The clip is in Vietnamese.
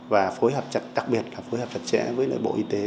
và phối hợp chặt đặc biệt là phối hợp chặt trẻ với bộ y tế